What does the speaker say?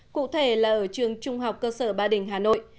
cụ thể là ở trường trung học cơ sở ba đình hà nội